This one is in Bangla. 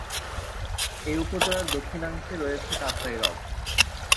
এ উপজেলার দক্ষিণাংশে রয়েছে কাপ্তাই হ্রদ।